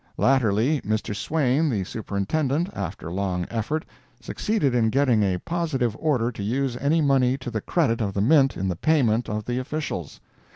Latterly, Mr. Swain, the Superintendent, after long effort, succeeded in getting a positive order to use any money to the credit of the Mint in the payment of the officials.